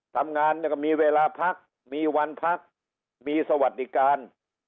ทำงานก็มีเวลาพักมีวันพักมีสวัสดิการ